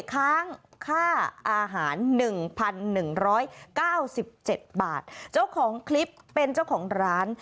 ค้างค่าอาหาร๑๑๙๗บาท